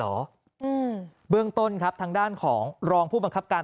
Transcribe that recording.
อืมเบื้องต้นครับทางด้านของรองผู้บังคับการ